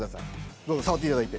どうぞ触っていただいて。